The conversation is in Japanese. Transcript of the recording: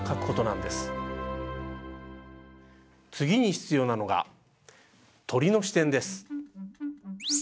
次に必要なのが「鳥の視点」です。